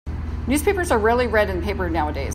Newspapers are rarely read in paper nowadays.